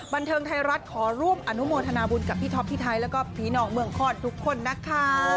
บันเทิงไทยรัฐขอร่วมอนุโมทนาบุญกับพี่ท็อปพี่ไทยแล้วก็ผีน้องเมืองคลอดทุกคนนะคะ